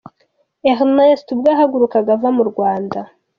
Ernesto ubwo yahagurukaga ava mu Rwanda.